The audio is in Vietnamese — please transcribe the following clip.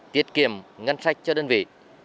tiết kiệm ngân sách cho đơn vị